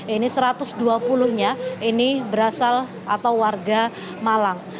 ini satu ratus dua puluh nya ini berasal atau warga malang